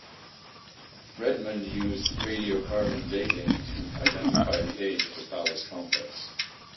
Redmond used radiocarbon dating to identify the age of the palace complex.